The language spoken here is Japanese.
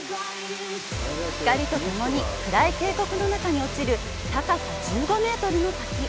光とともに暗い渓谷の中に落ちる高さ１５メートルの滝。